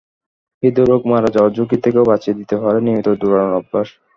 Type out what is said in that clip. হূদরোগে মারা যাওয়ার ঝুঁকি থেকেও বাঁচিয়ে দিতে পারে নিয়মিত দৌড়ানোর অভ্যাস।